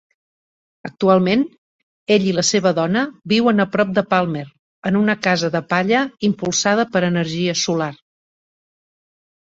Actualment, ell i la seva dona viuen a prop de Palmer en una casa de palla impulsada per energia solar.